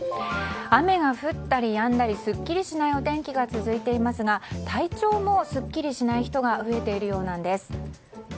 雨が降ったりやんだりすっきりしないお天気が続いていますが体調もすっきりしない人が増えているようなんです。